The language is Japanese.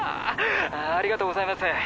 ありがとうございます。